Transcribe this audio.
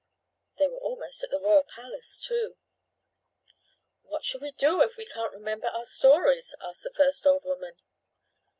They were almost at the royal palace, too. "What shall we do if we can't remember our stories?" asked the first old woman.